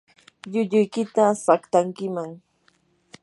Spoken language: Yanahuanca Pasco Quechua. llulluykita saqtankiman.